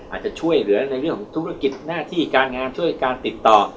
อาจจะช่วยเหลือในเรื่องของธุรกิจหน้าที่การงานช่วยการติดต่อ